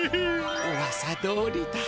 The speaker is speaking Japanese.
うわさどおりだ。